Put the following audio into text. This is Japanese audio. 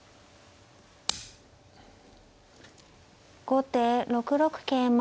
後手６六桂馬。